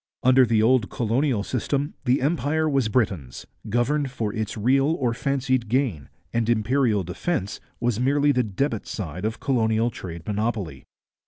Under the old colonial system the empire was Britain's, governed for its real or fancied gain, and imperial defence was merely the debit side of colonial trade monopoly.